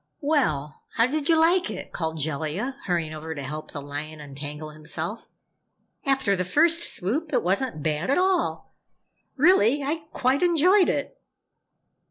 "Well, how did you like it?" called Jellia, hurrying over to help the lion untangle himself. "After the first swoop, it wasn't bad at all. Really, I quite enjoyed it!"